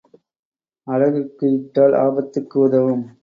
அழகுக்கு இட்டால் ஆபத்துக்கு உதவும்.